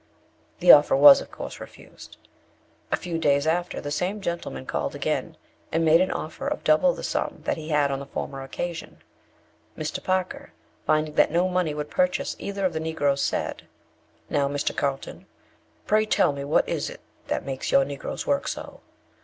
The offer was, of course, refused. A few days after the same gentleman called again, and made an offer of double the sum that he had on the former occasion. Mr. Parker, finding that no money would purchase either of the Negroes, said, "Now, Mr. Carlton, pray tell me what it is that makes your Negroes work so?